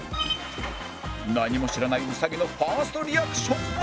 何も知らない兎のファーストリアクションは